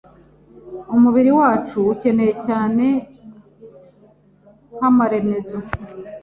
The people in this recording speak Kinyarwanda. umubiri wacu ukeneye cyane nk’amaremezo